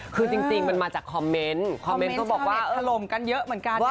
คือจริงมันมาจากคอมเมนต์คอมเมนต์ก็บอกว่าถล่มกันเยอะเหมือนกัน